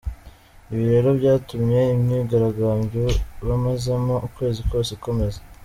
Ibi rero byatumye imyigaragambyo bamazemo ukwezi kose ikomeza.